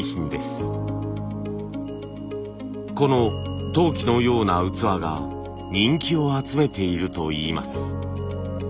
この陶器のような器が人気を集めているといいます。